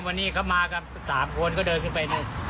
วันนี้เขามากับสามคนก็เดินขึ้นไปนี่